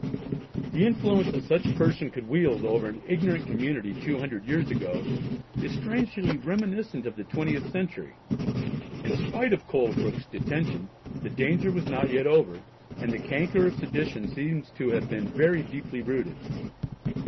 The influence that such a person could wield over an ignorant community two hundred years ago is strangely reminiscent of the twentieth century! In spite of Colebrooke's detention, the danger was not yet over, and the canker of sedition seems to have been very deep rooted.